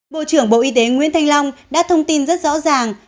bộ trưởng bộ y tế nguyễn thanh long đã thông tin rất rõ ràng